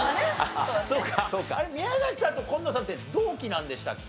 宮崎さんと紺野さんって同期なんでしたっけ？